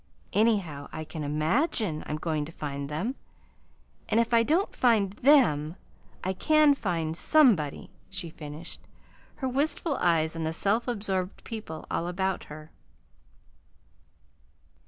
Anyhow, I can IMAGINE I'm going to find them; and if I don't find THEM, I can find SOMEBODY!" she finished, her wistful eyes on the self absorbed people all about her.